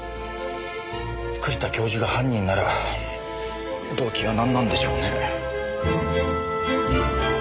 栗田教授が犯人なら動機はなんなんでしょうね？